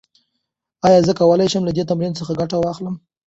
ایا زه کولی شم له دې تمرین څخه ګټه واخلم؟